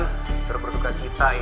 terperdukan kita ya